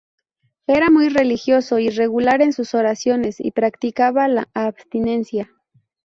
Era muy religioso y regular en sus oraciones y practicaba la abstinencia.